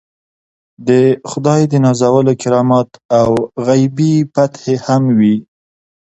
د خدای د نازولو کرامات او غیبي فتحې هم وي.